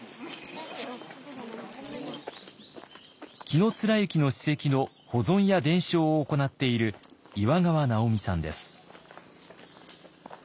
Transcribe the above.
紀貫之の史跡の保存や伝承を行っている岩川直美さんです。